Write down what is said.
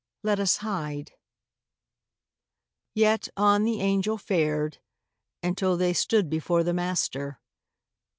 Let us hide.' Yet on the Angel fared, until they stood Before the Master.